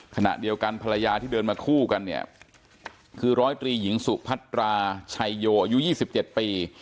ขณะเดียวกันภรรยาที่เดินมาคู่กันเนี่ยคือร้อยตรีหญิงสุพัตราชัยโยอายุ๒๗ปี